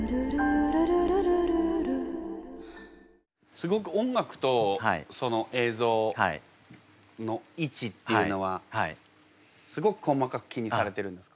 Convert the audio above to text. すごく音楽と映像の位置っていうのはすごく細かく気にされてるんですか？